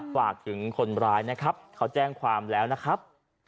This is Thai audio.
ฝากถึงคนร้ายนะครับเขาแจ้งความแล้วนะครับ